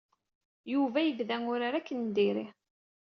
Yuba yebda urar akken n diri.